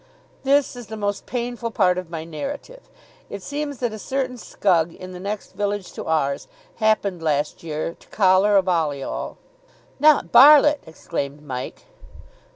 "This is the most painful part of my narrative. It seems that a certain scug in the next village to ours happened last year to collar a Balliol " "Not Barlitt!" exclaimed Mike.